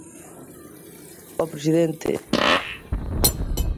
¡Ao presidente!